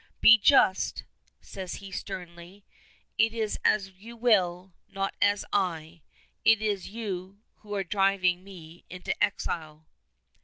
"Be just:" says he sternly. "It is as you will not as I. It is you who are driving me into exile."